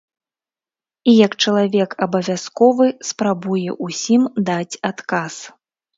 І як чалавек абавязковы, спрабуе ўсім даць адказ.